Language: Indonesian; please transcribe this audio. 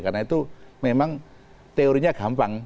karena itu memang teorinya gampang